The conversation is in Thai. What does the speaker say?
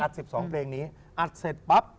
อัด๑๒เพลงนี้อัดเสร็จปั๊บ